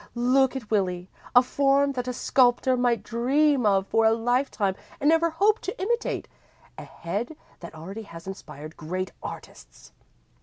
Look at Willie a form that a sculptor might dream of for a lifetime and never hope to imitate a head that already has inspired great artists!